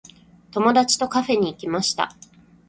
友達とカフェに行きました。